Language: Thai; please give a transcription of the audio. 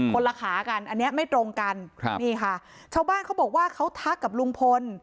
ละขากันอันนี้ไม่ตรงกันครับนี่ค่ะชาวบ้านเขาบอกว่าเขาทักกับลุงพล